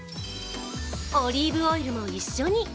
オリーブオイルも一緒に！